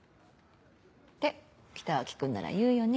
って北脇君なら言うよね。